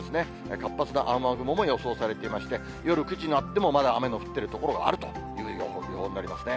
活発な雨雲も予想されていまして、夜９時になっても、まだ雨の降ってる所があるという予報になりますね。